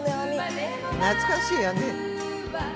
懐かしいやね。